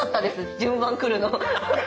順番来るの。